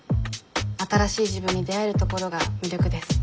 新しい自分に出会えるところが魅力です。